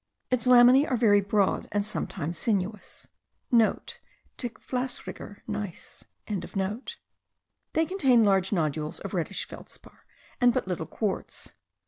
Its laminae are very broad and sometimes sinuous.* (* Dickflasriger gneiss.) They contain large nodules of reddish feldspar and but little quartz.